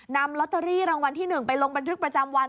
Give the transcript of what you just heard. นำลอตเตอรี่รางวัลที่๑ไปลงบันทึกประจำวัน